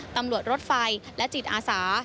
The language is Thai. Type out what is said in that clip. ตำรวจรถไฟและจิตอาสา